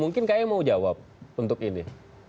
mungkin km mau jawab untuk ini